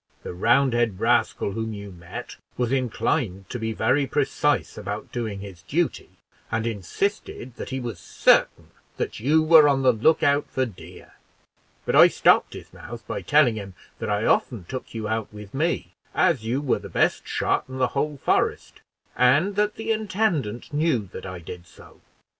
The Roundhead rascal whom you met was inclined, to be very precise about doing his duty, and insisted that he was certain that you were on the look out for deer; but I stopped his mouth by telling him that I often took you out with me, as you were the best shot in the whole forest, and that the intendant knew that I did so.